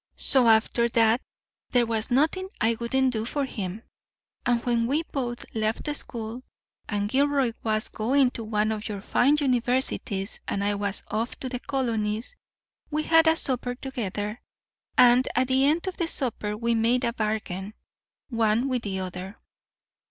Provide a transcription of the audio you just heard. So, after that, there was nothing I wouldn't do for him; and when we both left school, and Gilroy was going to one of your fine universities and I was off to the colonies, we had a supper together, and at the end of the supper we made a bargain one with the other.